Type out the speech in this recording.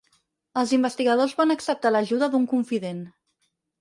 Els investigadors van acceptar l'ajuda d'un confident.